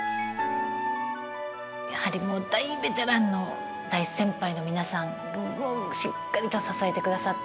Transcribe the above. やはりもう大ベテランの大先輩の皆さんがしっかりと支えてくださって。